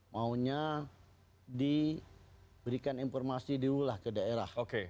maunya diberikan informasi diulah ke daerah